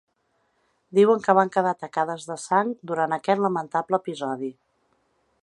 Diuen que van quedar tacades de sang ‘durant aquest lamentable episodi’.